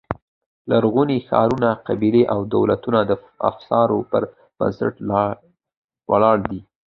لرغوني ښارونه، قبیلې او دولتونه د افسانو پر بنسټ ولاړ دي.